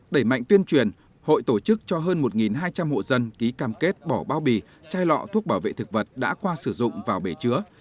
đẩy mạnh tuyên truyền hội tổ chức cho hơn một hai trăm linh hộ dân ký cam kết bỏ bao bì chai lọ thuốc bảo vệ thực vật đã qua sử dụng vào bể chứa